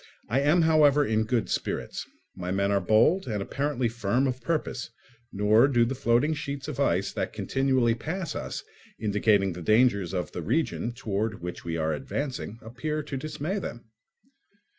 I am, however, in good spirits: my men are bold and apparently firm of purpose, nor do the floating sheets of ice that continually pass us, indicating the dangers of the region towards which we are advancing, appear to dismay them.